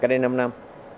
cách đây năm năm